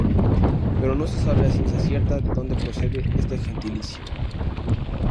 Pero no se sabe a ciencia cierta de dónde procede este gentilicio.